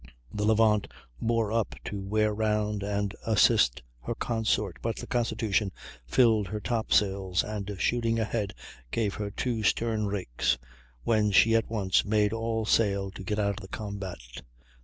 The Levant bore up to wear round and assist her consort, but the Constitution filled her top sails, and, shooting ahead, gave her two stern rakes, when she at once made all sail to get out of the combat.